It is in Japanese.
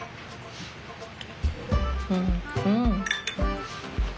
うんうん！